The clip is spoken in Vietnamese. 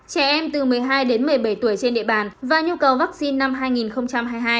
trẻ em từ một mươi hai đến một mươi bảy tuổi trên địa bàn và nhu cầu vaccine năm hai nghìn hai mươi hai